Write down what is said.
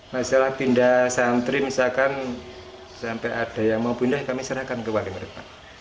masalah pindah santri misalkan sampai ada yang mau pindah kami serahkan ke wali murid